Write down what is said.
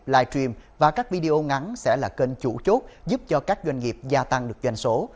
live stream và các video ngắn sẽ là kênh chủ chốt giúp cho các doanh nghiệp gia tăng được doanh số